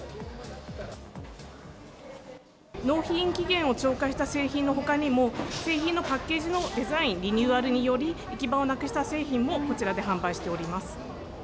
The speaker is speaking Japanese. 納品期限を超過した製品のほかにも、製品のパッケージのデザインリニューアルにより、行き場をなくした製品もこちらで販売しております。